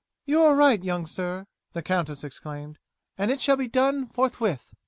"You are right, young sir," the countess exclaimed, "and it shall be done forthwith."